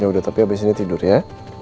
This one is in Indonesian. yaudah tapi habis ini tidur ya